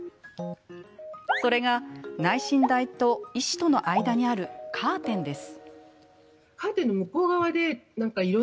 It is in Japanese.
それが内診台と医師との間にあるカーテンです。